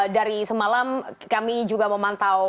dari semalam kami juga memantau